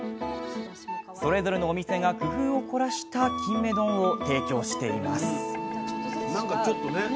それぞれのお店が工夫を凝らしたキンメ丼を提供しています